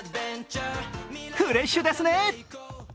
フレッシュですね！